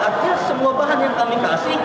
artinya semua bahan yang kami kasih